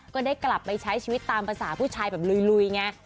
ก็ได้กลับไปใช้ชีวิตตามภาษาผู้ชายแบบลุยไง